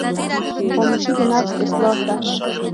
خاموشي، د نفس اصلاح ده.